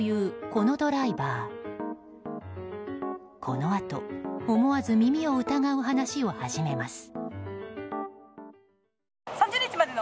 このあと、思わず耳を疑う話をし始めます。